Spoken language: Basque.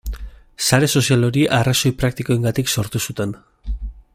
Sare sozial hori arrazoi praktikoengatik sortu zuten.